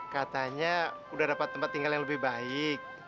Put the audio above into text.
katanya udah dapat tempat tinggal yang lebih baik